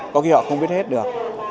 có khi họ không biết hết được